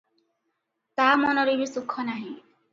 ତା ମନରେ ବି ସୁଖ ନାହିଁ ।